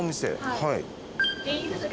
はい。